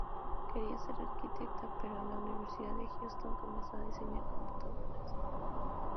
Quería ser arquitecta, pero en la Universidad de Houston comenzó a diseñar con computadoras.